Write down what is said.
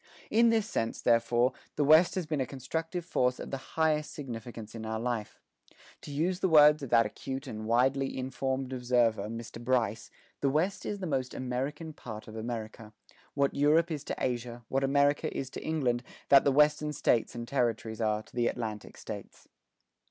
In this sense, therefore, the West has been a constructive force of the highest significance in our life. To use the words of that acute and widely informed observer, Mr. Bryce, "The West is the most American part of America. ... What Europe is to Asia, what America is to England, that the Western States and Territories are to the Atlantic States."